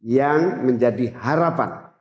yang menjadi harapan